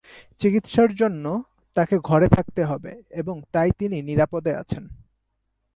চিকিত্সার জন্য, তাকে ঘরে থাকতে হবে এবং তাই তিনি নিরাপদে আছেন।